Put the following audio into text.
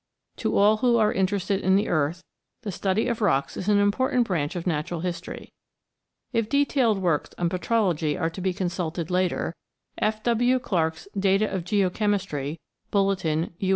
To all who are interested in the earth, the study of rocks is an important branch of natural history. If detailed works on petrology are to be consulted later, F. W. Clarke's Data of Geochemistry (Bulletin, U.